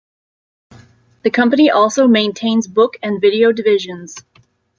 The company also maintains book and video divisions.